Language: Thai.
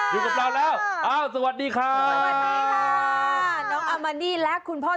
อยู่กับเราแล้วสวัสดีค่ะ